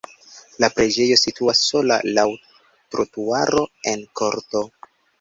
La preĝejo situas sola laŭ trotuaro en korto.